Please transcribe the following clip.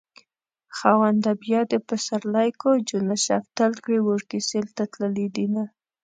خاونده بيا دې پسرلی کړو جونه شفتل کړي وړکي سيل ته تللي دينه